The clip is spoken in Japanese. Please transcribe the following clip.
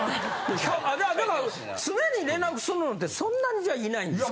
じゃあでも常に連絡するのってそんなにじゃあいないんですか？